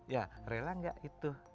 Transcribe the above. ya rela gak itu